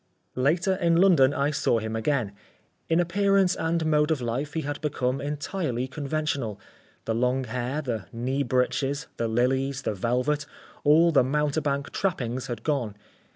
Later, in London, I saw him again. In appearance and mode of life he had become entirely conventional. The long hair, the knee breeches, the lilies, the velvet, all the mountebank trappings had gone.